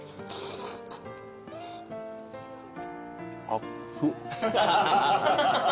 熱っ。